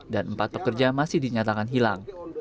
dan empat pekerja masih dinyatakan hilang